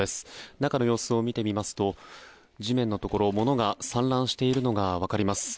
中の様子を見てみますと地面のところ、物が散乱しているのが分かります。